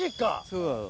そうなの。